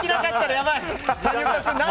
やばい！